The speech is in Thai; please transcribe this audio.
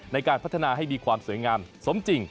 ในการพัฒนาให้มีความสวยงามสมจริง